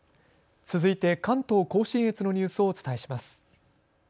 続いて関東甲信越のニュースをお伝えします。